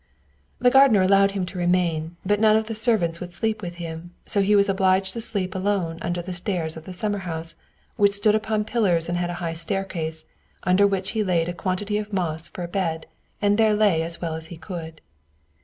The gardener allowed him to remain, but none of the servants would sleep with him, so he was obliged to sleep alone under the stairs of the summer house, which stood upon pillars and had a high staircase, under which he laid a quantity of moss for a bed, and there lay as well as he could.